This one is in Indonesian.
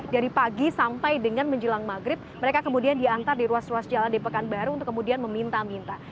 dari pagi sampai dengan menjelang maghrib mereka kemudian diantar di ruas ruas jalan di pekanbaru untuk kemudian meminta minta